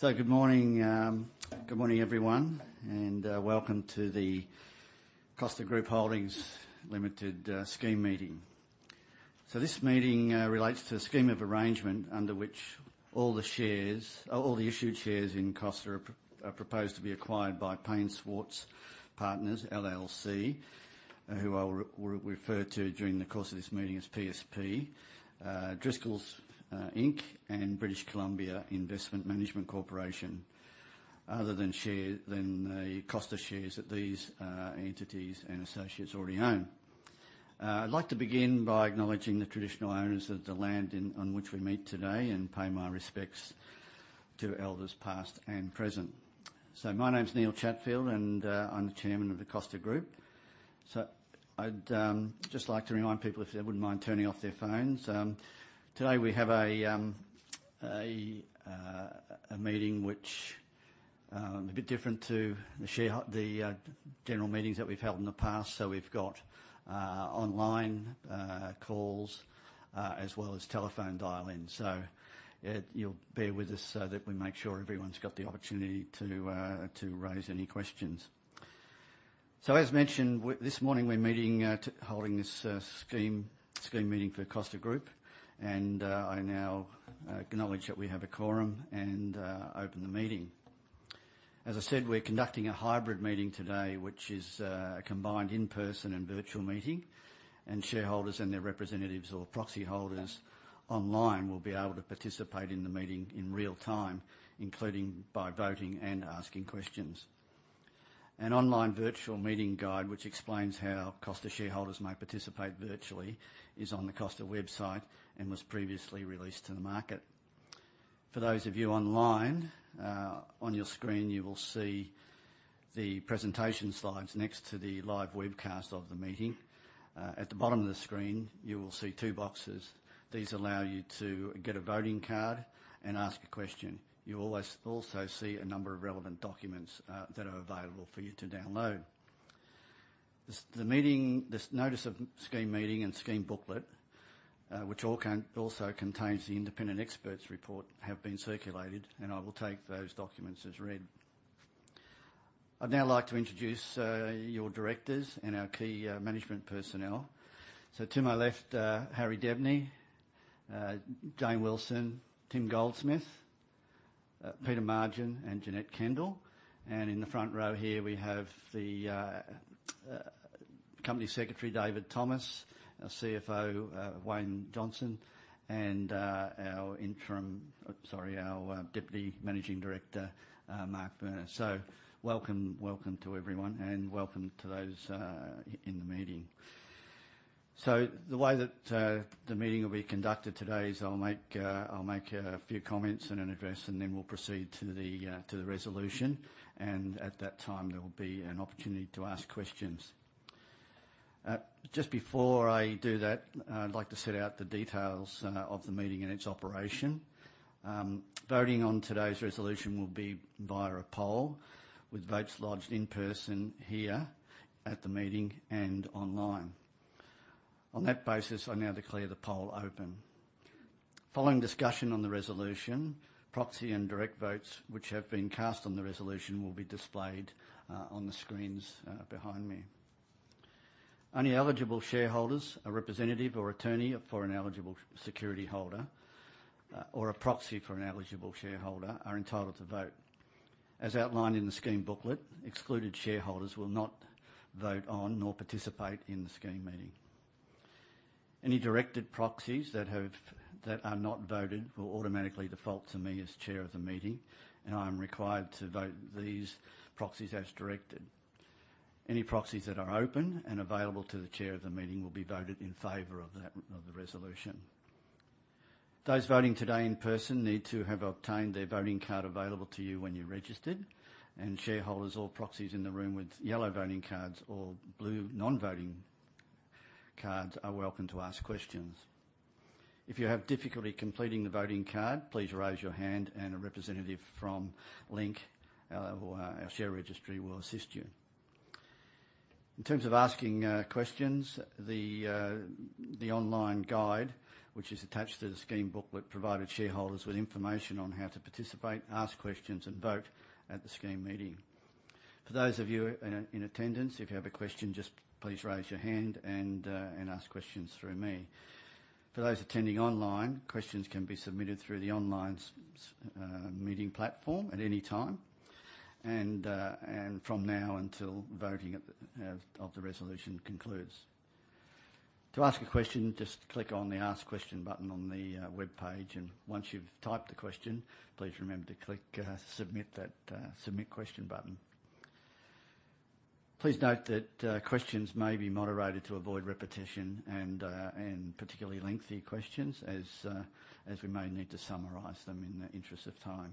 Good morning, good morning everyone, and welcome to the Costa Group Holdings Limited Scheme Meeting. This meeting relates to a scheme of arrangement under which all the shares, all the issued shares in Costa Group are proposed to be acquired by Paine Schwartz Partners, LLC, who I will refer to during the course of this meeting as PSP, Driscoll's, Inc, and British Columbia Investment Management Corporation, other than Costa shares that these entities and associates already own. I'd like to begin by acknowledging the traditional owners of the land on which we meet today and pay my respects to elders past and present. My name's Neil Chatfield, and I'm the Chairman of the Costa Group. I'd just like to remind people if they wouldn't mind turning off their phones. Today we have a meeting which is a bit different to the general meetings that we've held in the past. So we've got online calls as well as telephone dial-ins. So yeah, you'll bear with us so that we make sure everyone's got the opportunity to raise any questions. So as mentioned, this morning we're holding this Scheme Meeting for the Costa Group, and I now acknowledge that we have a quorum and open the meeting. As I said, we're conducting a hybrid meeting today, which is a combined in-person and virtual meeting, and shareholders and their representatives or proxy holders online will be able to participate in the meeting in real time, including by voting and asking questions. An online virtual meeting guide, which explains how Costa shareholders may participate virtually, is on the Costa website and was previously released to the market. For those of you online, on your screen you will see the presentation slides next to the live webcast of the meeting. At the bottom of the screen you will see two boxes. These allow you to get a voting card and ask a question. You'll always also see a number of relevant documents, that are available for you to download. The meeting, this Notice of Scheme Meeting and Scheme Booklet, which all can also contains Independent Expert’s Report, have been circulated, and I will take those documents as read. I'd now like to introduce your Directors and our key management personnel. So to my left, Harry Debney, Jane Wilson, Tim Goldsmith, Peter Margin, Janette Kendall. And in the front row here we have the Company Secretary David Thomas, our CFO Wayne Johnston, and our Deputy Managing Director Marc Werner. So welcome, welcome to everyone, and welcome to those in the meeting. So the way that the meeting will be conducted today is I'll make a few comments and an address, and then we'll proceed to the resolution, and at that time there will be an opportunity to ask questions. Just before I do that, I'd like to set out the details of the meeting and its operation. Voting on today's resolution will be via a poll, with votes lodged in person here at the meeting and online. On that basis, I now declare the poll open. Following discussion on the resolution, proxy and direct votes which have been cast on the resolution will be displayed on the screens behind me. Only eligible shareholders, a representative or attorney for an eligible security holder, or a proxy for an eligible shareholder are entitled to vote. As outlined in the Scheme Booklet, excluded shareholders will not vote on nor participate in the Scheme Meeting. Any directed proxies that are not voted will automatically default to me as Chair of the meeting, and I am required to vote these proxies as directed. Any proxies that are open and available to the Chair of the meeting will be voted in favor of the resolution. Those voting today in person need to have obtained their voting card available to you when you registered, and shareholders or proxies in the room with yellow voting cards or blue non-voting cards are welcome to ask questions. If you have difficulty completing the voting card, please raise your hand, and a representative from Link or our share registry will assist you. In terms of asking questions, the online guide which is attached to the Scheme Booklet, provided shareholders with information on how to participate, ask questions, and vote at the Scheme Meeting. For those of you in attendance, if you have a question, just please raise your hand and ask questions through me. For those attending online, questions can be submitted through the online meeting platform at any time, and from now until voting of the resolution concludes. To ask a question, just click on the Ask Question button on the web page,. And once you've typed the question, please remember to click Submit Question button. Please note that questions may be moderated to avoid repetition and particularly lengthy questions as we may need to summarize them in the interest of time.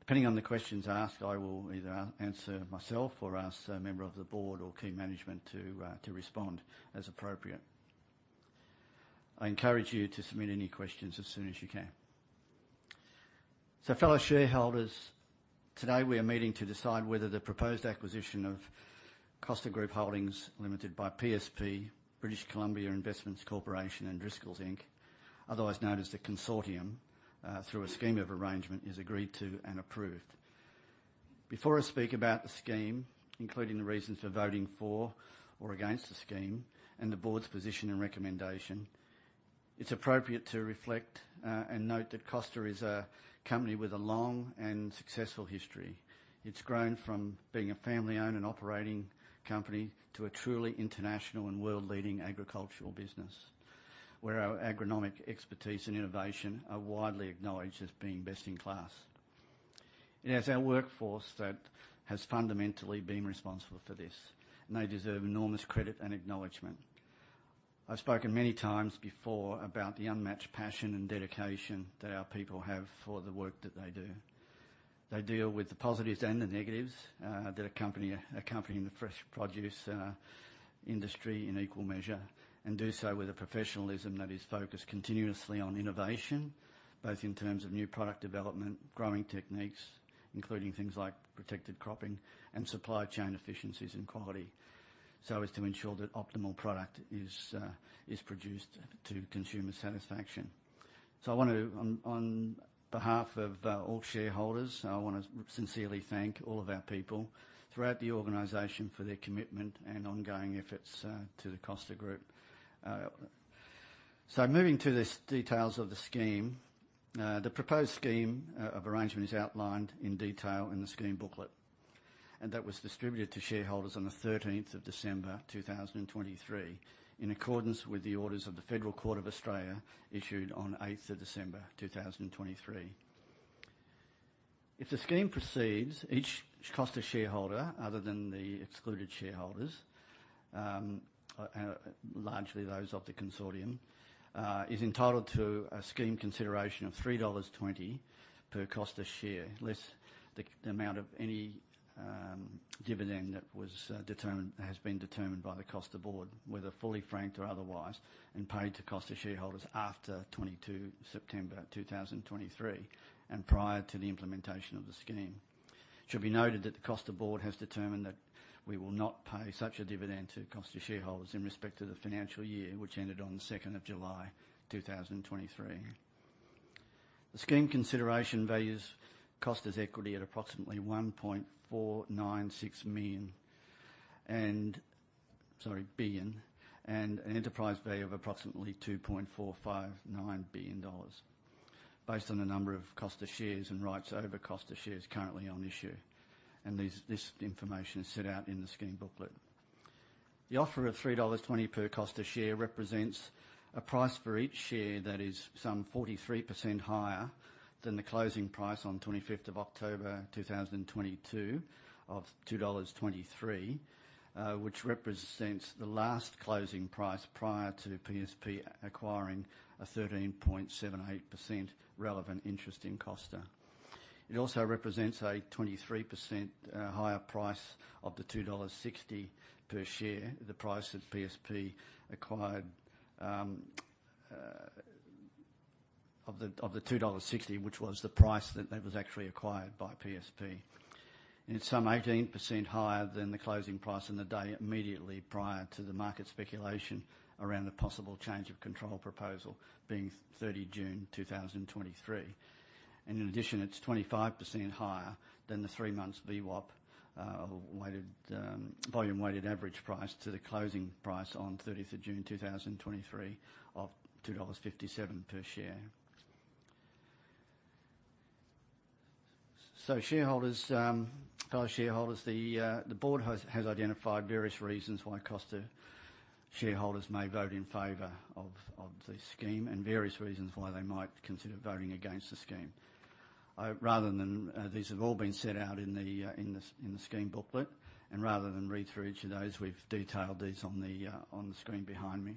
Depending on the questions asked, I will either answer myself or ask a member of the Board or key management to respond as appropriate. I encourage you to submit any questions as soon as you can. So fellow shareholders, today we are meeting to decide whether the proposed acquisition of Costa Group Holdings Limited by PSP, British Columbia Investments Corporation and Driscoll's, Inc, otherwise known as the consortium, through a scheme of arrangement is agreed to and approved. Before I speak about the scheme, including the reasons for voting for or against the scheme and the Board's position and recommendation, it's appropriate to reflect, and note that Costa is a company with a long and successful history. It's grown from being a family-owned and operating company to a truly international and world-leading agricultural business, where our agronomic expertise and innovation are widely acknowledged as being best-in-class. It has our workforce that has fundamentally been responsible for this, and they deserve enormous credit and acknowledgement. I've spoken many times before about the unmatched passion and dedication that our people have for the work that they do. They deal with the positives and the negatives that accompany the fresh produce industry in equal measure, and do so with a professionalism that is focused continuously on innovation, both in terms of new product development, growing techniques, including things like protected cropping, and supply chain efficiencies and quality, so as to ensure that optimal product is produced to consumer satisfaction. So I want to, on behalf of all shareholders, sincerely thank all of our people throughout the organization for their commitment and ongoing efforts to the Costa Group. So moving to the details of the scheme, the proposed scheme of arrangement is outlined in detail in the Scheme Booklet, and that was distributed to shareholders on the 13th of December 2023 in accordance with the orders of the Federal Court of Australia issued on 8th of December 2023. If the scheme proceeds, each Costa shareholder, other than the excluded shareholders, and largely those of the consortium, is entitled to a scheme consideration of 3.20 dollars per Costa share, less the amount of any dividend that was determined, has been determined by the Costa Board, whether fully franked or otherwise, and paid to Costa shareholders after 22 September 2023 and prior to the implementation of the scheme. It should be noted that the Costa Board has determined that we will not pay such a dividend to Costa shareholders in respect to the financial year which ended on the 2nd of July 2023. The scheme consideration values Costa's equity at approximately 1.496 billion, and an enterprise value of approximately 2.459 billion dollars, based on the number of Costa shares and rights over Costa shares currently on issue, and this information is set out in the Scheme Booklet. The offer of 3.20 dollars per Costa share represents a price for each share that is some 43% higher than the closing price on 25th of October 2022 of 2.23, which represents the last closing price prior to PSP acquiring a 13.78% relevant interest in Costa. It also represents a 23% higher price of the 2.60 dollars per share, the price that PSP acquired of the 2.60 dollars, which was the price that it was actually acquired by PSP, and it's some 18% higher than the closing price on the day immediately prior to the market speculation around the possible change of control proposal being 30 June 2023. In addition, it's 25% higher than the three-month VWAP, weighted, volume-weighted average price to the closing price on 30th of June 2023 of 2.57 dollars per share. So shareholders, fellow shareholders, the Board has identified various reasons why Costa shareholders may vote in favor of the scheme and various reasons why they might consider voting against the scheme. Rather than, these have all been set out in the Scheme Booklet, and rather than read through each of those, we've detailed these on the screen behind me.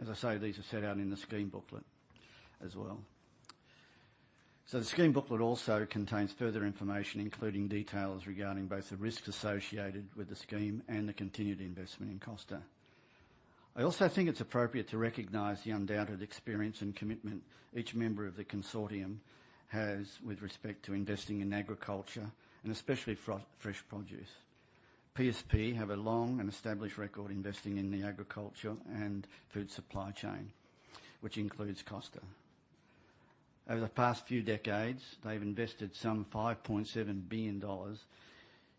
As I say, these are set out in the Scheme Booklet as well. So the Scheme Booklet also contains further information, including details regarding both the risks associated with the scheme and the continued investment in Costa. I also think it's appropriate to recognize the undoubted experience and commitment each member of the consortium has with respect to investing in agriculture and especially fresh produce. PSP have a long and established record investing in the agriculture and food supply chain, which includes Costa. Over the past few decades, they've invested some 5.7 billion dollars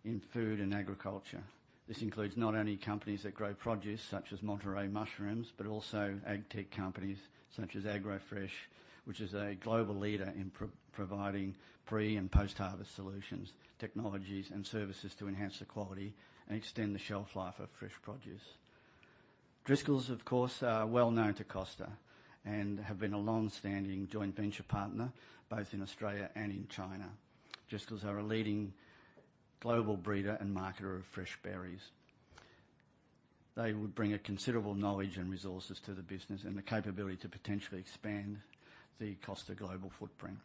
in food and agriculture. This includes not only companies that grow produce such as Monterey Mushrooms, but also ag-tech companies such as AgroFresh, which is a global leader in providing pre- and post-harvest solutions, technologies, and services to enhance the quality and extend the shelf life of fresh produce. Driscoll's, of course, are well known to Costa and have been a longstanding joint venture partner both in Australia and in China. Driscoll's are a leading global breeder and marketer of fresh berries. They would bring a considerable knowledge and resources to the business and the capability to potentially expand the Costa global footprint.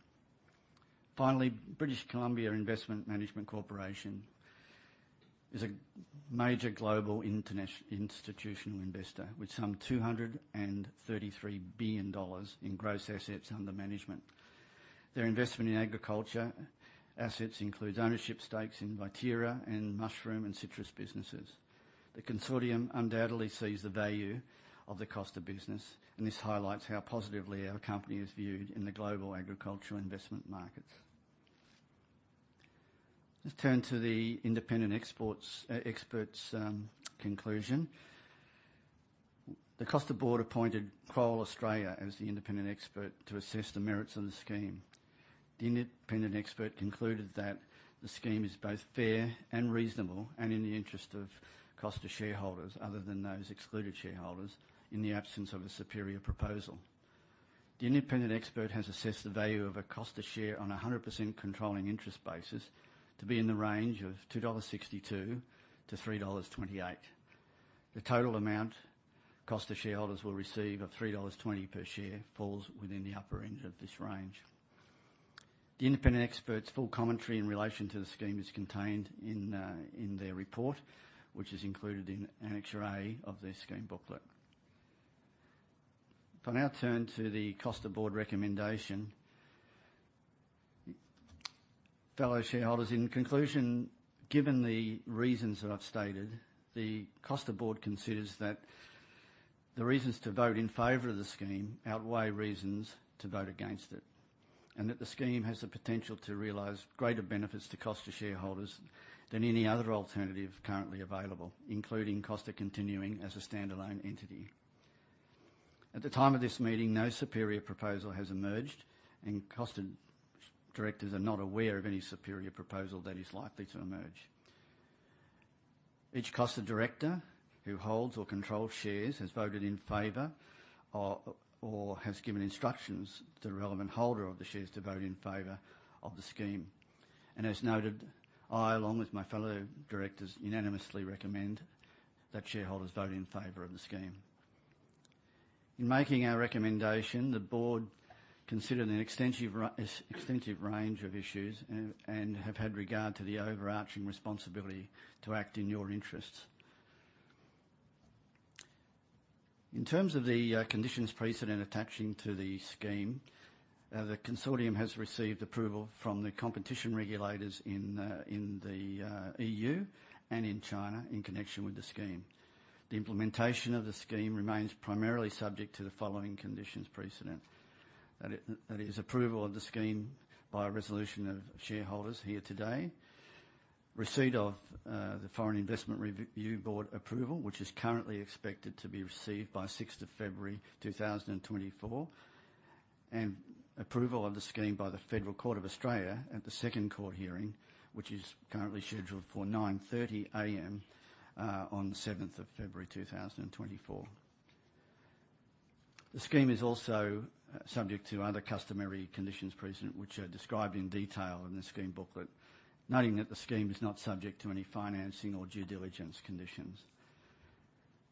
Finally, British Columbia Investment Management Corporation is a major global international institutional investor with some 233 billion dollars in gross assets under management. Their investment in agriculture assets includes ownership stakes in Viterra and mushroom and citrus businesses. The consortium undoubtedly sees the value of the Costa business, and this highlights how positively our company is viewed in the global agricultural investment markets. Let's turn to the Independent Expert's conclusion. The Costa Board appointed Kroll Australia as the Independent Expert to assess the merits of the scheme. The Independent Expert concluded that the scheme is both fair and reasonable and in the interest of Costa shareholders, other than those excluded shareholders, in the absence of a superior proposal. The Independent Expert has assessed the value of a Costa share on a 100% controlling interest basis to be in the range of 2.62-3.28 dollars. The total amount Costa shareholders will receive of 3.20 dollars per share falls within the upper end of this range. The Independent Expert's full commentary in relation to the scheme is contained in their report, which is included in Annexure A of their Scheme Booklet. On our turn to the Costa Board recommendation, fellow shareholders, in conclusion, given the reasons that I've stated, the Costa Board considers that the reasons to vote in favor of the scheme outweigh reasons to vote against it, and that the scheme has the potential to realize greater benefits to Costa shareholders than any other alternative currently available, including Costa continuing as a standalone entity. At the time of this meeting, no superior proposal has emerged, and Costa Directors are not aware of any superior proposal that is likely to emerge. Each Costa Director who holds or controls shares has voted in favor or has given instructions to the relevant holder of the shares to vote in favor of the scheme. As noted, I, along with my fellow Directors, unanimously recommend that shareholders vote in favor of the scheme. In making our recommendation, the Board considered an extensive range of issues and have had regard to the overarching responsibility to act in your interests. In terms of the conditions precedent attaching to the scheme, the consortium has received approval from the competition regulators in the EU and in China in connection with the scheme. The implementation of the scheme remains primarily subject to the following conditions precedent. That is, approval of the scheme by a resolution of shareholders here today, receipt of the Foreign Investment Review Board approval, which is currently expected to be received by 6th of February 2024, and approval of the scheme by the Federal Court of Australia at the second court hearing, which is currently scheduled for 9:30 A.M. on 7th of February 2024. The scheme is also subject to other customary conditions precedent, which are described in detail in the Scheme Booklet, noting that the scheme is not subject to any financing or due diligence conditions.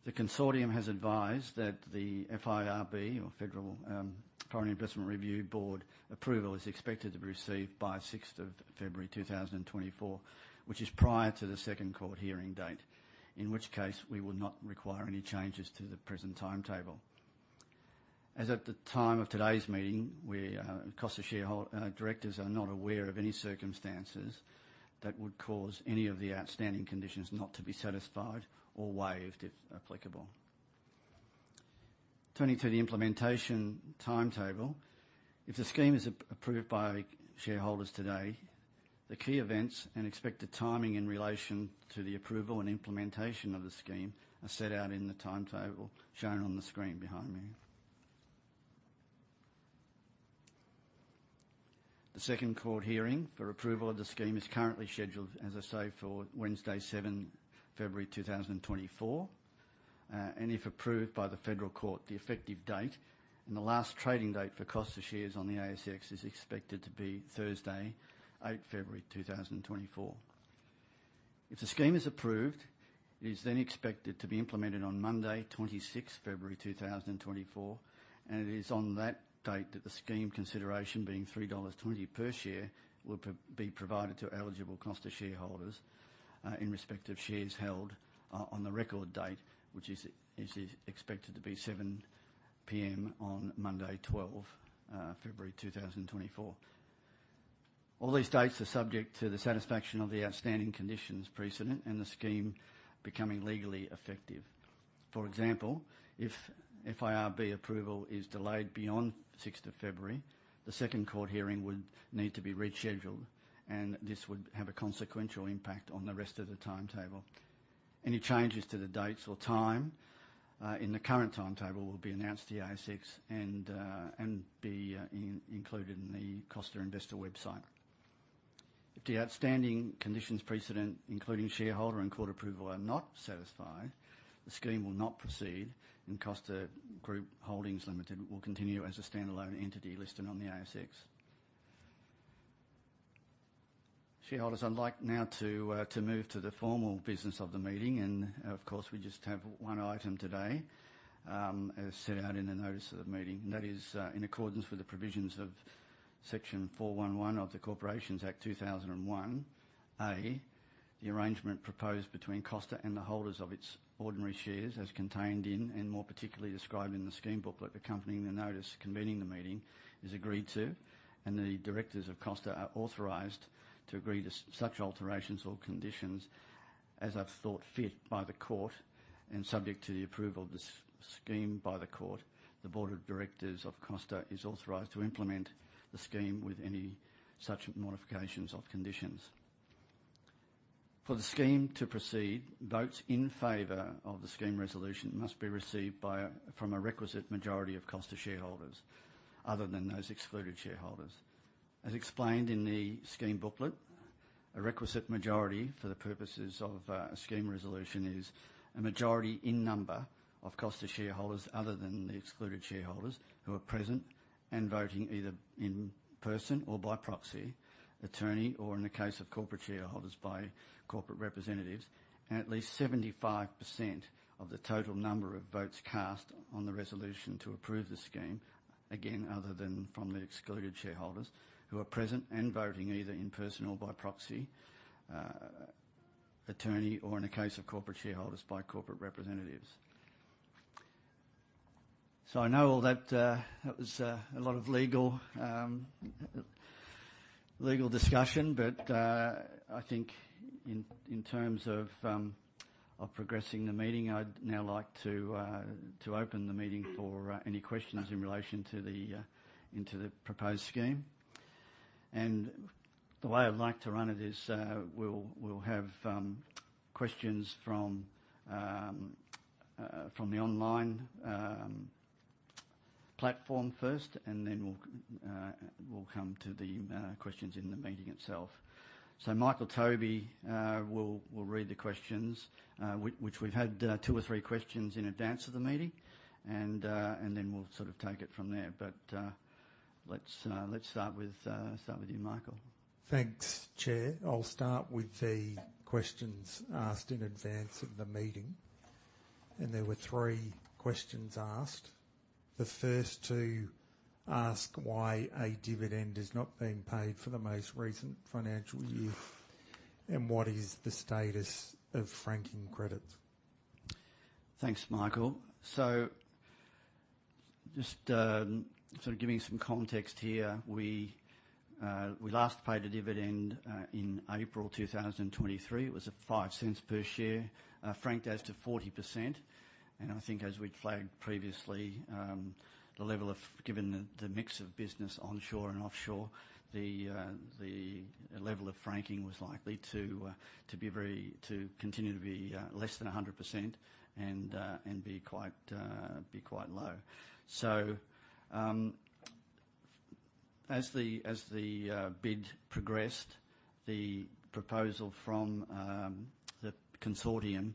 The consortium has advised that the FIRB, or Foreign Investment Review Board approval is expected to be received by 6th of February 2024, which is prior to the second court hearing date, in which case we would not require any changes to the present timetable. As at the time of today's meeting, we, Costa shareho- Directors, are not aware of any circumstances that would cause any of the outstanding conditions not to be satisfied or waived if applicable. Turning to the implementation timetable, if the scheme is approved by shareholders today, the key events and expected timing in relation to the approval and implementation of the scheme are set out in the timetable shown on the screen behind me. The second court hearing for approval of the scheme is currently scheduled, as I say, for Wednesday, 7th February 2024, and if approved by the Federal Court, the effective date and the last trading date for Costa shares on the ASX is expected to be Thursday, 8th February 2024. If the scheme is approved, it is then expected to be implemented on Monday, 26th February 2024, and it is on that date that the scheme consideration being 3.20 dollars per share will be provided to eligible Costa shareholders, in respect of shares held, on the record date, which is expected to be 7:00 P.M. on Monday, 12th February 2024. All these dates are subject to the satisfaction of the outstanding conditions precedent and the scheme becoming legally effective. For example, if FIRB approval is delayed beyond 6th of February, the second court hearing would need to be rescheduled, and this would have a consequential impact on the rest of the timetable. Any changes to the dates or time in the current timetable will be announced to the ASX and be included in the Costa Investor website. If the outstanding conditions precedent, including shareholder and court approval, are not satisfied, the scheme will not proceed, and Costa Group Holdings Limited will continue as a standalone entity listed on the ASX. Shareholders are likely now to move to the formal business of the meeting, and of course, we just have one item today, as set out in the notice of the meeting. That is, in accordance with the provisions of Section 411 of the Corporations Act 2001, A, the arrangement proposed between Costa and the holders of its ordinary shares, as contained in, and more particularly described in the Scheme Booklet accompanying the notice convening the meeting, is agreed to, and the Directors of Costa are authorised to agree to such alterations or conditions as are thought fit by the court and subject to the approval of the scheme by the court. The Board of Directors of Costa is authorised to implement the scheme with any such modifications or conditions. For the scheme to proceed, votes in favour of the scheme resolution must be received from a requisite majority of Costa shareholders, other than those excluded shareholders. As explained in the Scheme Booklet, a requisite majority for the purposes of a scheme resolution is a majority in number of Costa shareholders, other than the excluded shareholders, who are present and voting either in person or by proxy, attorney, or in the case of corporate shareholders by corporate representatives, and at least 75% of the total number of votes cast on the resolution to approve the scheme, again, other than from the excluded shareholders, who are present and voting either in person or by proxy, attorney, or in the case of corporate shareholders by corporate representatives. So I know all that, that was a lot of legal discussion, but I think in terms of progressing the meeting, I'd now like to open the meeting for any questions in relation to the proposed scheme. The way I'd like to run it is, we'll have questions from the online platform first, and then we'll come to the questions in the meeting itself. So Michael Toby will read the questions, which we've had two or three questions in advance of the meeting, and then we'll sort of take it from there. But let's start with you, Michael. Thanks, Chair. I'll start with the questions asked in advance of the meeting. There were three questions asked. The first to ask why a dividend is not being paid for the most recent financial year, and what is the status of franking credits? Thanks, Michael. So just sort of giving some context here, we last paid a dividend in April 2023. It was 0.05 per share. Franked out to 40%. I think as we'd flagged previously, given the mix of business onshore and offshore, the level of franking was likely to continue to be less than 100% and be quite low. So, as the bid progressed, the proposal from the consortium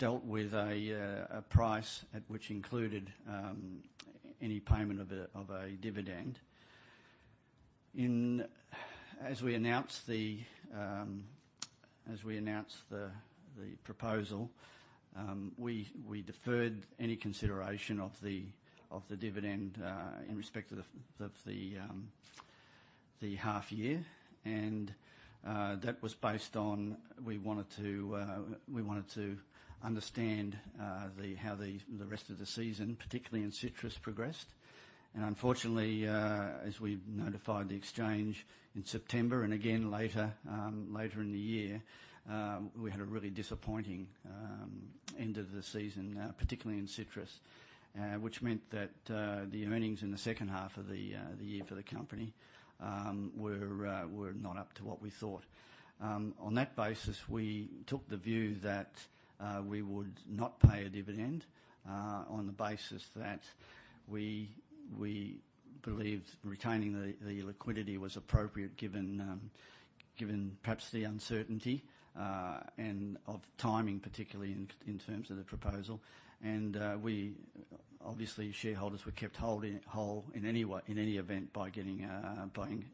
dealt with a price which included any payment of a dividend. As we announced the proposal, we deferred any consideration of the dividend in respect to the half year. That was based on we wanted to understand how the rest of the season, particularly in citrus, progressed. And unfortunately, as we notified the exchange in September and again later in the year, we had a really disappointing end of the season, particularly in citrus, which meant that the earnings in the second half of the year for the company were not up to what we thought. On that basis, we took the view that we would not pay a dividend, on the basis that we believed retaining the liquidity was appropriate given perhaps the uncertainty and of timing, particularly in terms of the proposal. And we obviously, shareholders were kept holding whole in any way, in any event, by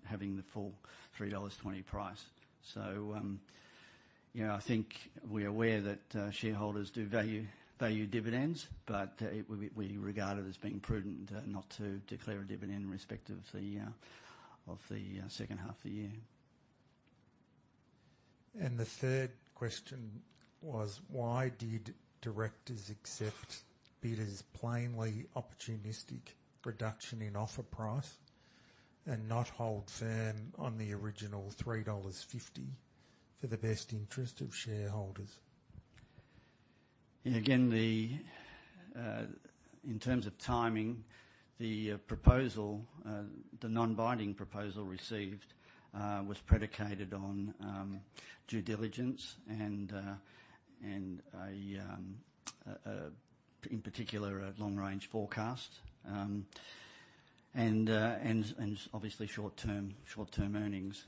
having the full 3.20 dollars price. So, you know, I think we're aware that shareholders do value dividends, but we regard it as being prudent not to declare a dividend in respect of the second half of the year. And the third question was, why did Directors accept bidders' plainly opportunistic reduction in offer price and not hold firm on the original 3.50 dollars for the best interest of shareholders? Yeah, again, in terms of timing, the proposal, the non-binding proposal received, was predicated on due diligence and, in particular, a long-range forecast, and obviously short-term earnings.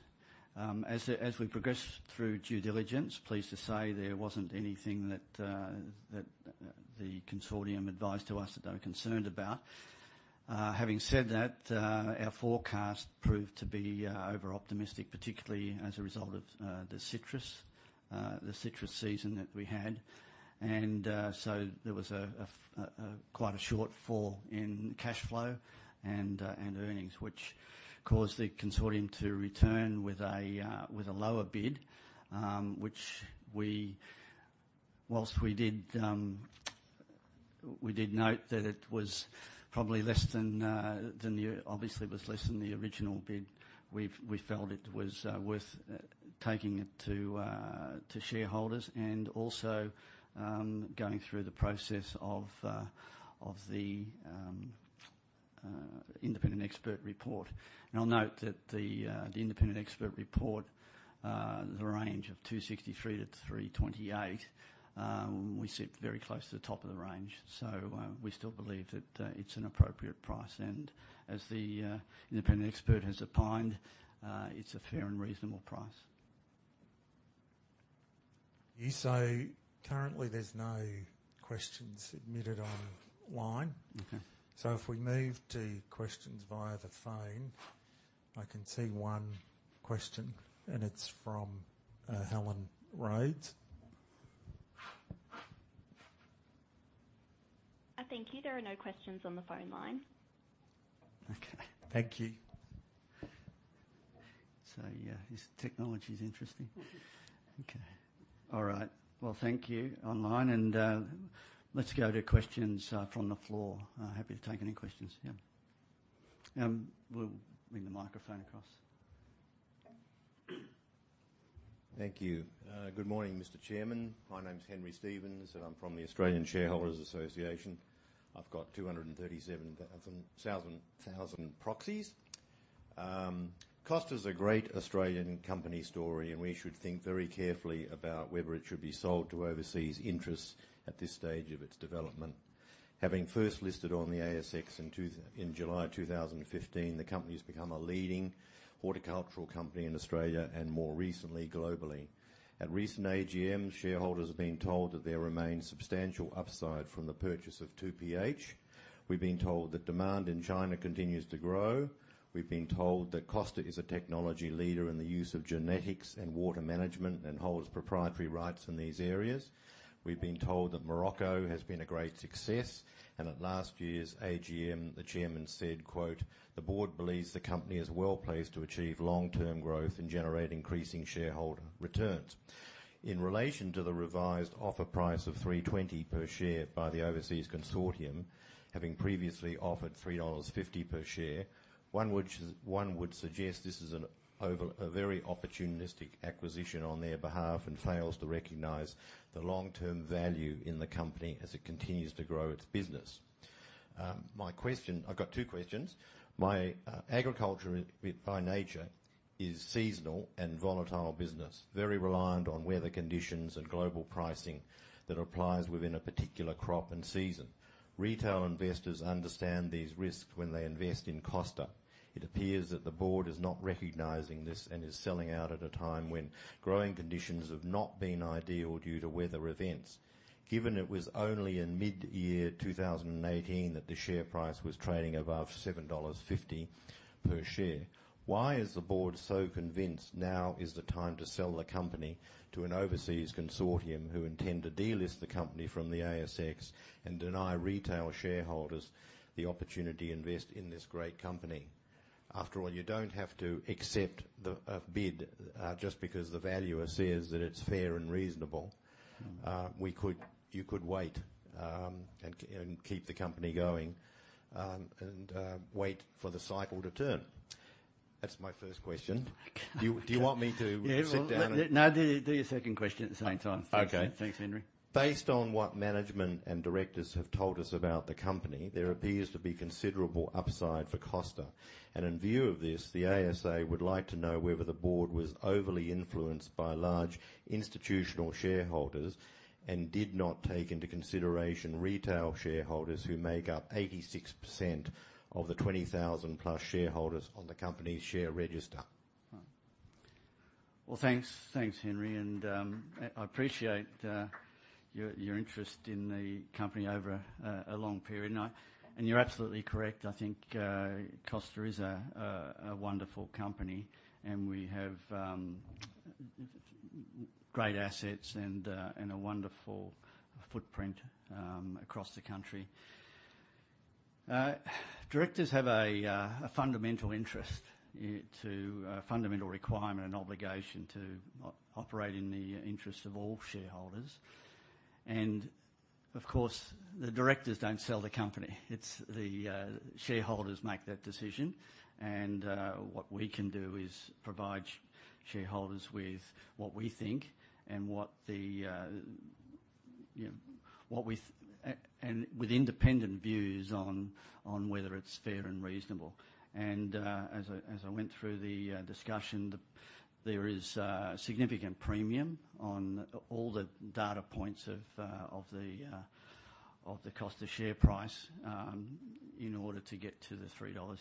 As we progressed through due diligence, pleased to say there wasn't anything that the consortium advised to us that they were concerned about. Having said that, our forecast proved to be over-optimistic, particularly as a result of the citrus season that we had. There was quite a shortfall in cash flow and earnings, which caused the consortium to return with a lower bid, which we whilst we did note that it was probably less than the original bid. Obviously it was less than the original bid. We felt it was worth taking it to shareholders and also going through the process of the Independent Expert report. And I'll note that the Independent Expert report, the range of 2.63-3.28, we sit very close to the top of the range. So, we still believe that it's an appropriate price. And as the Independent Expert has opined, it's a fair and reasonable price. You say currently there's no questions admitted online. You can so if we move to questions via the phone, I can see one question, and it's from Helen Rhodes. Thank you. There are no questions on the phone line. Okay. Thank you. So, yeah, this technology is interesting. Okay. All right. Well, thank you online. And, let's go to questions from the floor. Happy to take any questions. Yeah. We'll bring the microphone across. Thank you. Good morning, Mr. Chairman. My name's Henry Stephens, and I'm from the Australian Shareholders Association. I've got 237,000,000 proxies. Costa's a great Australian company story, and we should think very carefully about whether it should be sold to overseas interests at this stage of its development. Having first listed on the ASX in July 2015, the company has become a leading horticultural company in Australia and more recently globally. At recent AGMs, shareholders have been told that there remains substantial upside from the purchase of 2PH. We've been told that demand in China continues to grow. We've been told that Costa is a technology leader in the use of genetics and water management and holds proprietary rights in these areas. We've been told that Morocco has been a great success. At last year's AGM, the Chairman said, quote, "The Board believes the company is well placed to achieve long-term growth and generate increasing shareholder returns." In relation to the revised offer price of 3.20 per share by the overseas consortium, having previously offered 3.50 dollars per share, one would suggest this is a very opportunistic acquisition on their behalf and fails to recognize the long-term value in the company as it continues to grow its business. My question, I've got two questions. My agriculture by nature is seasonal and volatile business, very reliant on weather conditions and global pricing that applies within a particular crop and season. Retail investors understand these risks when they invest in Costa. It appears that the Board is not recognizing this and is selling out at a time when growing conditions have not been ideal due to weather events. Given it was only in mid-year 2018 that the share price was trading above 7.50 dollars per share, why is the Board so convinced now is the time to sell the company to an overseas consortium who intend to delist the company from the ASX and deny retail shareholders the opportunity to invest in this great company? After all, you don't have to accept the bid just because the valuer says that it's fair and reasonable. We could, you could wait, and keep the company going, and wait for the cycle to turn. That's my first question. Do you want me to sit down? No, do your second question at the same time. Okay. Thanks, Henry. Based on what management and Directors have told us about the company, there appears to be considerable upside for Costa. And in view of this, the ASA would like to know whether the Board was overly influenced by large institutional shareholders and did not take into consideration retail shareholders who make up 86% of the 20,000+ shareholders on the company's share register. Right. Well, thanks. Thanks, Henry. And I appreciate your interest in the company over a long period. And I, you're absolutely correct. I think Costa is a wonderful company, and we have great assets and a wonderful footprint across the country. Directors have a fundamental interest in to fundamental requirement and obligation to operate in the interests of all shareholders. And of course, the Directors don't sell the company. It's the shareholders make that decision. And what we can do is provide shareholders with what we think and what the, you know, what we, and with independent views on whether it's fair and reasonable. And as I went through the discussion, there is significant premium on all the data points of the Costa share price, in order to get to the 3.20 dollars.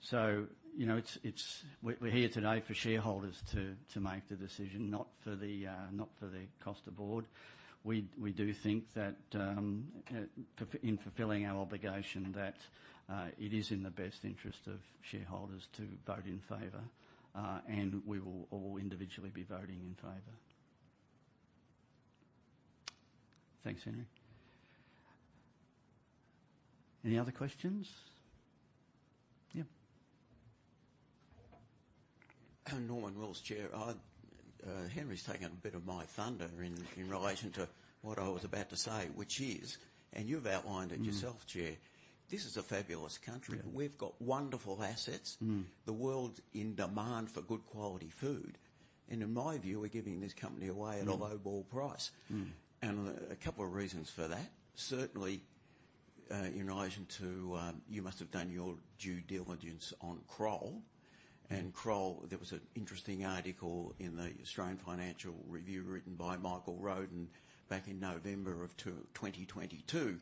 So you know, it's we're here today for shareholders to make the decision, not for the Costa Board. We do think that, in fulfilling our obligation that, it is in the best interest of shareholders to vote in favor. And we will all individually be voting in favor. Thanks, Henry. Any other questions? Yeah. Norman Wills, Chair. Henry's taken a bit of my thunder in relation to what I was about to say, which is, and you've outlined it yourself, Chair, this is a fabulous country. We've got wonderful assets. The world's in demand for good quality food. And in my view, we're giving this company away at a low ball price. And a couple of reasons for that. Certainly, in relation to, you must have done your due diligence on Kroll. Kroll, there was an interesting article in the Australian Financial Review written by Michael Roddan back in November of 2022,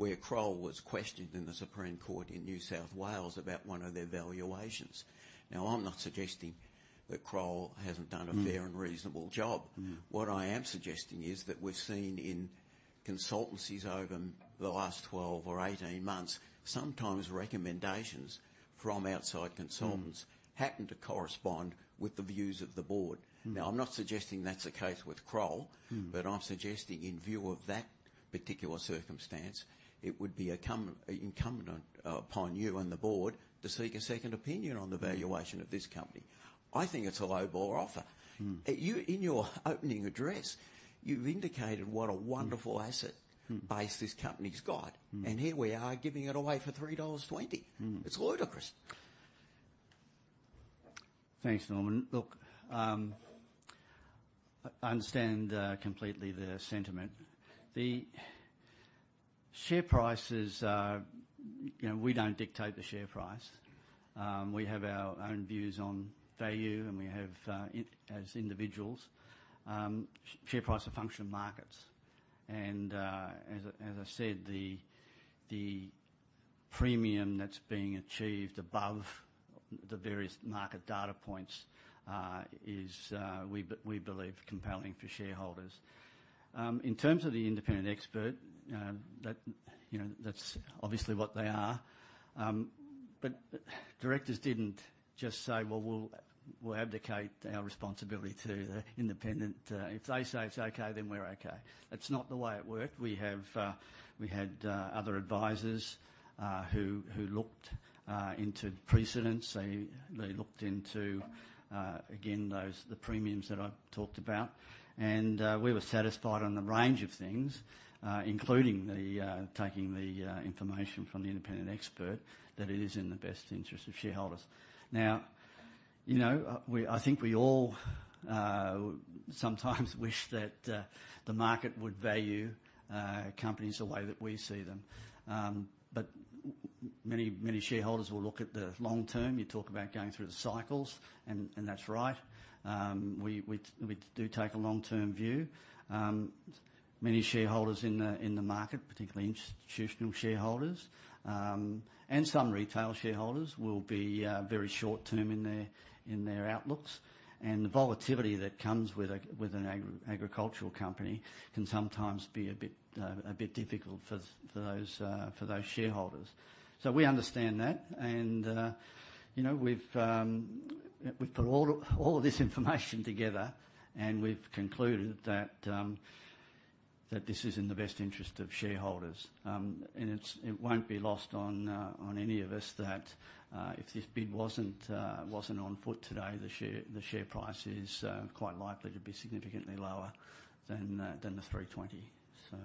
where Kroll was questioned in the Supreme Court in New South Wales about one of their valuations. Now, I'm not suggesting that Kroll hasn't done a fair and reasonable job. What I am suggesting is that we've seen in consultancies over the last 12 or 18 months, sometimes recommendations from outside consultants happen to correspond with the views of the Board. Now, I'm not suggesting that's the case with Kroll, but I'm suggesting in view of that particular circumstance, it would be incumbent upon you and the Board to seek a second opinion on the valuation of this company. I think it's a lowball offer. You, in your opening address, you've indicated what a wonderful asset base this company's got. And here we are giving it away for 3.20 dollars. It's ludicrous. Thanks, Norman. Look, I understand completely the sentiment. The share prices, you know, we don't dictate the share price. We have our own views on value and we have, as individuals, share prices function markets. And, as I said, the premium that's being achieved above the various market data points is, we believe compelling for shareholders. In terms of the Independent Expert, that, you know, that's obviously what they are. But Directors didn't just say, well, we'll abdicate our responsibility to the independent. If they say it's okay, then we're okay. That's not the way it worked. We have, we had, other advisors who looked into precedence. They looked into, again, those premiums that I've talked about. We were satisfied on the range of things, including taking the information from the Independent Expert that it is in the best interest of shareholders. Now, you know, we, I think we all sometimes wish that the market would value companies the way that we see them. But many, many shareholders will look at the long term. You talk about going through the cycles, and that's right. We do take a long-term view. Many shareholders in the market, particularly institutional shareholders, and some retail shareholders will be very short-term in their outlooks. And the volatility that comes with an agricultural company can sometimes be a bit difficult for those shareholders. So we understand that. You know, we've put all of this information together, and we've concluded that this is in the best interest of shareholders. It won't be lost on any of us that if this bid wasn't on foot today, the share price is quite likely to be significantly lower than 3.20. So.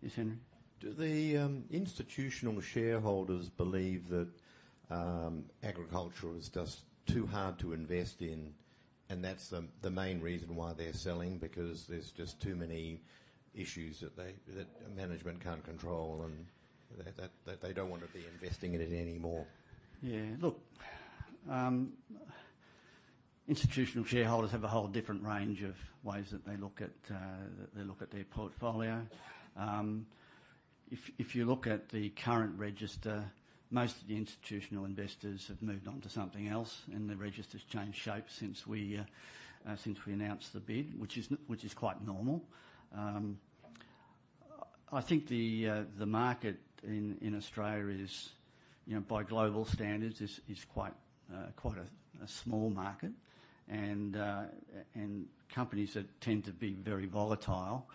Yes, Henry? Do the institutional shareholders believe that agriculture is just too hard to invest in, and that's the main reason why they're selling, because there's just too many issues that management can't control and that they don't want to be investing in it anymore? Yeah, look, institutional shareholders have a whole different range of ways that they look at their portfolio. If you look at the current register, most of the institutional investors have moved on to something else, and the register's changed shape since we announced the bid, which is quite normal. I think the market in Australia is, you know, by global standards, quite a small market. And companies that tend to be very volatile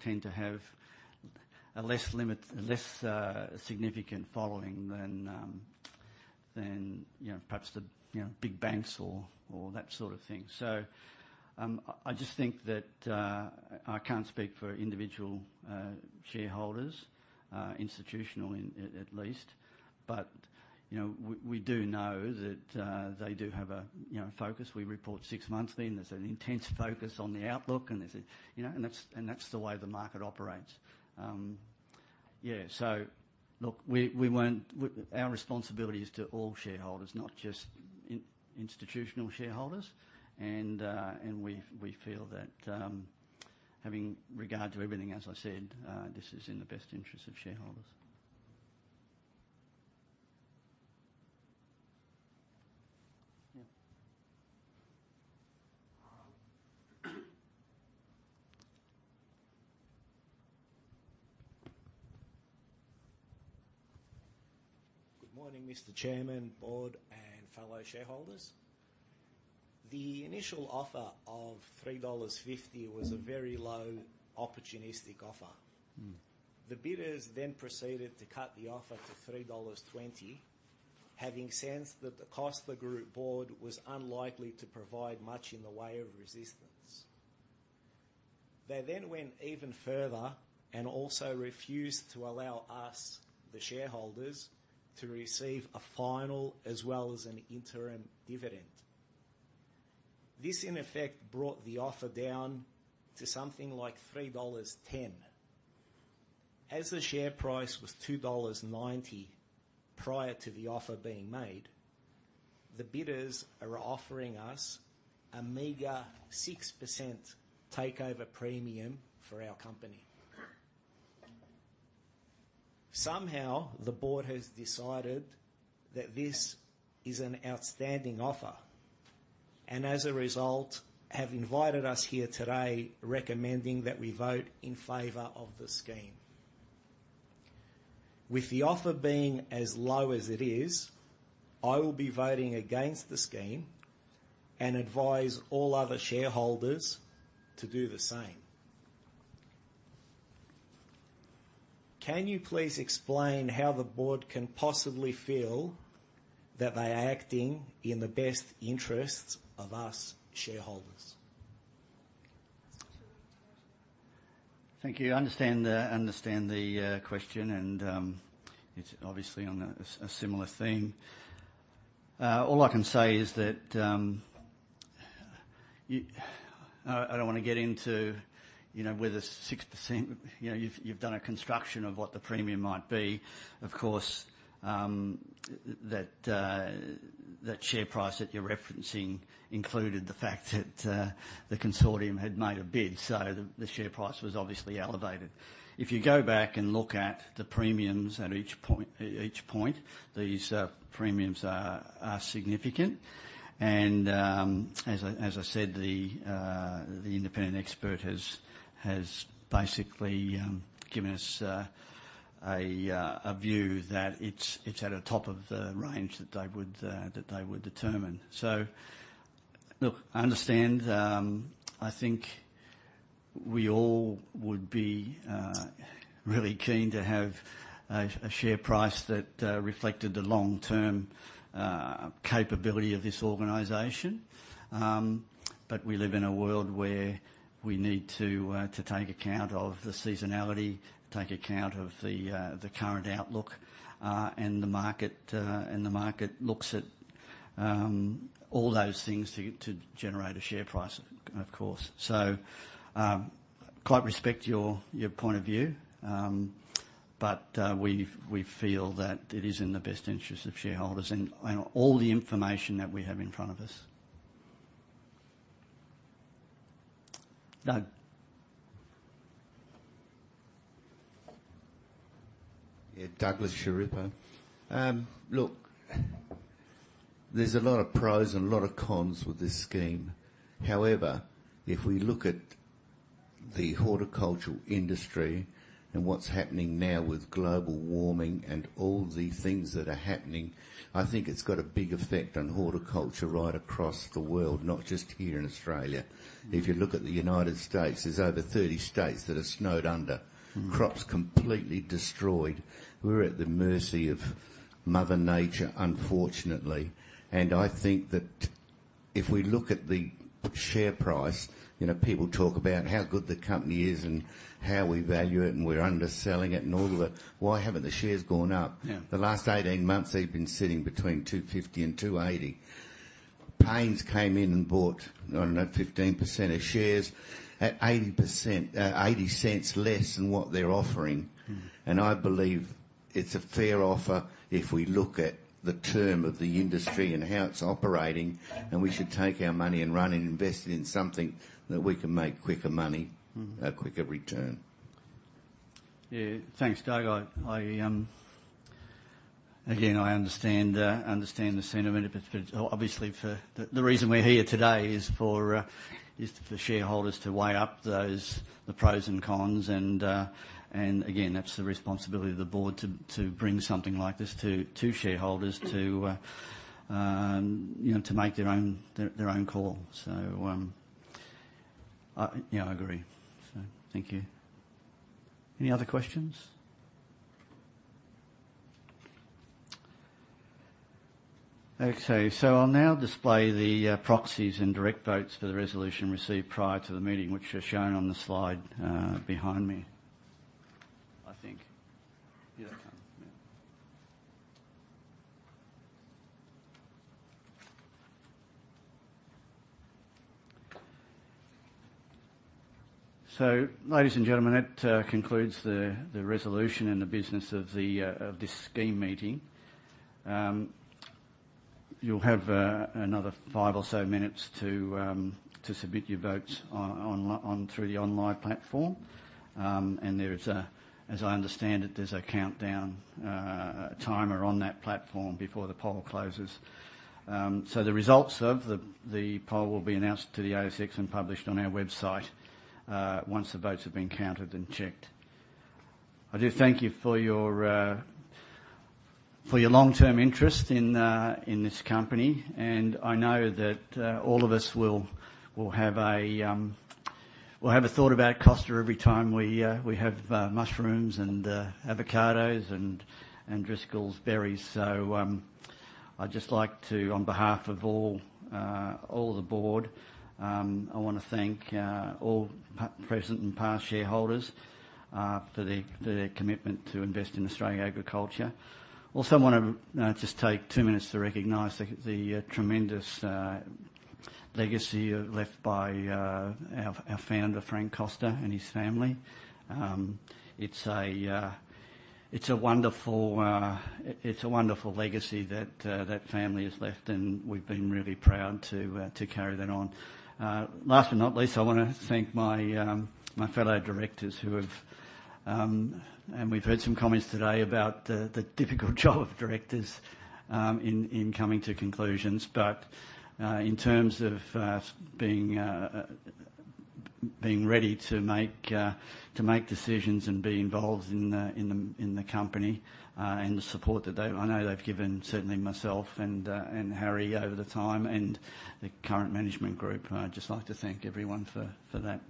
tend to have a less limited, less significant following than, you know, perhaps the big banks or that sort of thing. So I just think that I can't speak for individual shareholders, institutional at least, but, you know, we do know that they do have a focus. We report six months in, there's an intense focus on the outlook, and that's the way the market operates. Yeah, so look, our responsibility is to all shareholders, not just institutional shareholders. And we feel that, having regard to everything as I said, this is in the best interest of shareholders. Yeah. Good morning, Mr. Chairman, Board, and fellow shareholders. The initial offer of 3.50 dollars was a very low opportunistic offer. The bidders then proceeded to cut the offer to 3.20 dollars, having sensed that the Costa Group Board was unlikely to provide much in the way of resistance. They then went even further and also refused to allow us, the shareholders, to receive a final as well as an interim dividend. This, in effect, brought the offer down to something like 3.10 dollars. As the share price was 2.90 dollars prior to the offer being made, the bidders are offering us a meager 6% takeover premium for our company. Somehow, the Board has decided that this is an outstanding offer, and as a result, have invited us here today recommending that we vote in favor of the scheme. With the offer being as low as it is, I will be voting against the scheme and advise all other shareholders to do the same. Can you please explain how the Board can possibly feel that they are acting in the best interests of us shareholders? Thank you. I understand the question, and it's obviously on a similar theme. All I can say is that I don't want to get into, you know, whether 6%, you know, you've done a construction of what the premium might be. Of course, that share price that you're referencing included the fact that the consortium had made a bid, so the share price was obviously elevated. If you go back and look at the premiums at each point, each point, these premiums are significant. As I said, the Independent Expert has basically given us a view that it's at a top of the range that they would determine. So look, I understand. I think we all would be really keen to have a share price that reflected the long-term capability of this organization. But we live in a world where we need to take account of the seasonality, take account of the current outlook, and the market looks at all those things to generate a share price, of course. So quite respect your point of view, but we feel that it is in the best interest of shareholders and all the information that we have in front of us. Doug. Yeah, Douglas Schirripa. Look, there's a lot of pros and a lot of cons with this scheme. However, if we look at the horticultural industry and what's happening now with global warming and all the things that are happening, I think it's got a big effect on horticulture right across the world, not just here in Australia. If you look at the United States, there's over 30 states that are snowed under, crops completely destroyed. We're at the mercy of Mother Nature, unfortunately. And I think that if we look at the share price, you know, people talk about how good the company is and how we value it and we're underselling it and all of the, why haven't the shares gone up? The last 18 months they've been sitting between 2.50 and 2.80. Paine's came in and bought, I don't know, 15% of shares at 0.8 less than what they're offering. And I believe it's a fair offer if we look at the term of the industry and how it's operating, and we should take our money and run and invest it in something that we can make quicker money, a quicker return. Yeah, thanks, Doug. Again, I understand the sentiment, but obviously the reason we're here today is for shareholders to weigh up the pros and cons. And again, that's the responsibility of the Board to bring something like this to shareholders, to, you know, to make their own call. So yeah, I agree. So thank you. Any other questions? Okay, so I'll now display the proxies and direct votes for the resolution received prior to the meeting, which are shown on the slide behind me, I think. Yeah, they come. Yeah. So ladies and gentlemen, that concludes the resolution and the business of this Scheme Meeting. You'll have another five or so minutes to submit your votes on through the online platform. And there is a, as I understand it, there's a countdown, a timer on that platform before the poll closes. So the results of the poll will be announced to the ASX and published on our website once the votes have been counted and checked. I do thank you for your long-term interest in this company. I know that all of us will have a thought about Costa every time we have mushrooms and avocados and Driscoll's berries. So I'd just like to, on behalf of all the Board, I want to thank all present and past shareholders for their commitment to invest in Australian agriculture. Also, I want to just take two minutes to recognize the tremendous legacy left by our founder, Frank Costa, and his family. It's a wonderful legacy that family has left, and we've been really proud to carry that on. Last but not least, I want to thank my fellow Directors who have, and we've heard some comments today about the difficult job of Directors in coming to conclusions. But in terms of being ready to make decisions and be involved in the company and the support that they've I know they've given, certainly myself and Harry over the time and the current management group, I'd just like to thank everyone for that.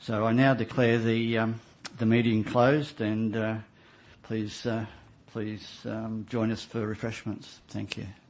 So I now declare the meeting closed, and please join us for refreshments. Thank you.